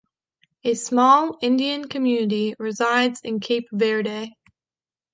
A small Indian community resides in Cape Verde.